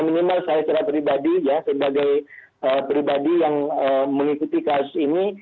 minimal saya secara pribadi ya sebagai pribadi yang mengikuti kasus ini